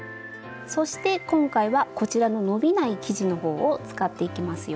そして今回はこちらの伸びない生地の方を使っていきますよ。